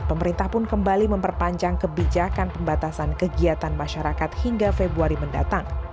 pemerintah pun kembali memperpanjang kebijakan pembatasan kegiatan masyarakat hingga februari mendatang